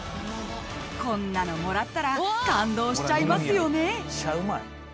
［こんなのもらったら感動しちゃいますよね］